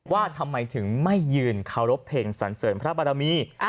ว่าทำไมถึงไม่ยืนเคารพเพลงสันเสริญพระบารมี